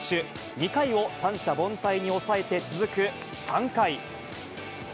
２回を三者凡退に抑えて、続く３回。